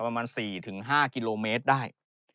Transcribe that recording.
ประมาณ๔๕กิโลเมตรได้